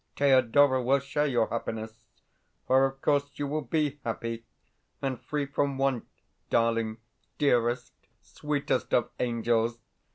Thedora will share your happiness for, of course, you will be happy, and free from want, darling, dearest, sweetest of angels!